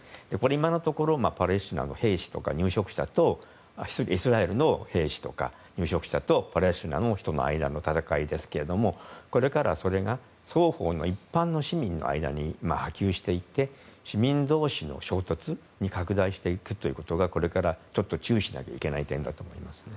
今のところイスラエルの兵士とか入植者とパレスチナの人の間の戦いですけれどもこれからそれが双方の一般の市民の間に波及していって市民同士の衝突に拡大していくことはこれから注意しないといけない点だと思います。